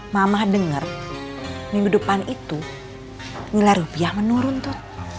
mama dengar minggu depan itu nilai rupiah menurun tuh